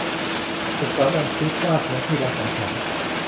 สุขสันต์วันคริสต์มาสนะที่รักของฉัน